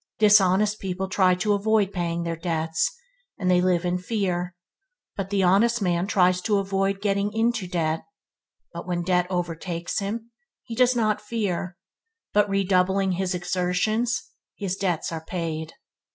Dishonest people try to avoid paying their debts, and they live in fear; but the honest man tries to avoid getting into debt, but when debt overtakes him, he does not fear, but, redoubling his exertions, his debts are paid.